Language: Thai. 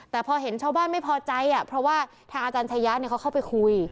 แต่พอเห็นชาวบ้านไม่พอใจเพราะว่าทางอาจารย์ชายะเขาเข้าไปคุย